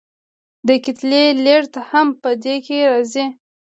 د کتلې لیږد هم په دې کې راځي.